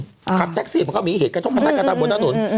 ขับแท็กซี่มันก็มีเหตุกระทะกระทะบนด้านหนึ่ง